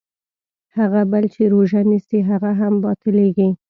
هغه بل چې روژه نیسي هغه هم باطلېږي.